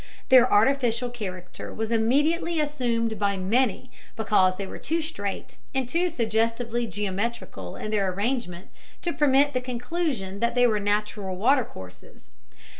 Their artificial character was immediately assumed by many, because they were too straight and too suggestively geometrical in their arrangement to permit the conclusion that they were natural watercourses.